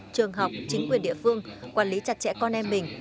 trường học chính quyền địa phương quản lý chặt chẽ con em mình